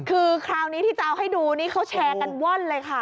คือคราวนี้ที่จะเอาให้ดูนี่เขาแชร์กันว่อนเลยค่ะ